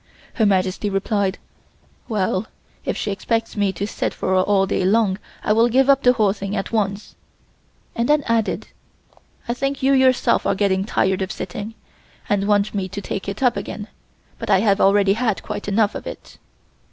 Her Majesty replied: "Well, if she expects me to sit for her all day long I will give up the whole thing at once," and then added: "I think you yourself are getting tired of sitting, and want me to take it up again, but I have already had quite enough of it."